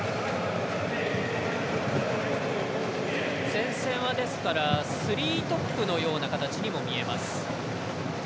前線はスリートップのような形にも見えます。